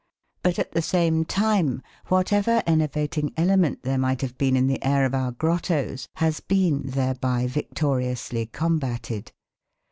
But, at the same time, whatever enervating element there might have been in the air of our grottoes has been thereby victoriously combated.